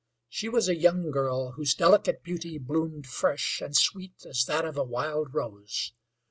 She was a young girl, whose delicate beauty bloomed fresh and sweet as that of a wild rose.